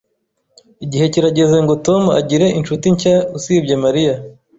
Igihe kirageze ngo Tom agire inshuti nshya usibye Mariya.